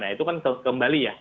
nah itu kan kembali ya